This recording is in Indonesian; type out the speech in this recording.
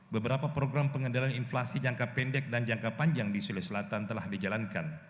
beberapa program pengendalian inflasi jangka pendek dan jangka panjang di sulawesi selatan telah dijalankan